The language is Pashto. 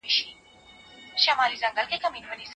زما کوچنی ورور په خپل بستر کې ارام خوب کوي.